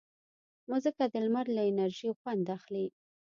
مځکه د لمر له انرژي ژوند اخلي.